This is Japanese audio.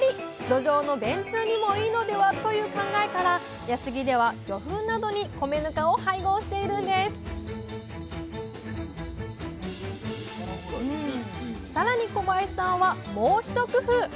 どじょうの便通にもいいのではという考えから安来では魚粉などに米ぬかを配合しているんですさらに小林さんはもう一工夫！